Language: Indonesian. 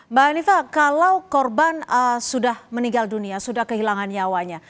mbak hanifah kalau korban sudah meninggal dunia sudah kehilangan nyawanya